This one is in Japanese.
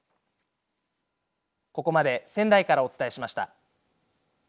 ここまで仙台からお伝えしました。